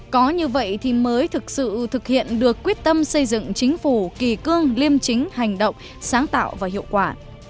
có như vậy thì mới thực sự thực hiện được quyết tâm xây dựng chính phủ kỳ cương liêm chính hành động sáng tạo và hiệu quả